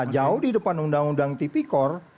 jauh di depan undang undang tipikor